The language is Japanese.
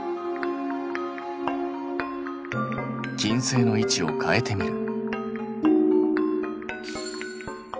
金星の位置を変えてみる。